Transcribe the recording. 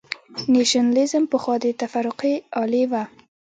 نېشنلېزم پخوا د تفرقې الې وه.